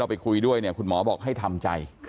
ไปคุยด้วยเนี่ยคุณหมอบอกให้ทำใจ